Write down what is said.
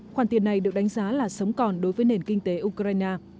khoản tiền này được đánh giá là sống còn đối với nền kinh tế ukraine